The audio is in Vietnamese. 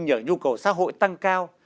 nghề sinh nhờ nhu cầu xã hội tăng cao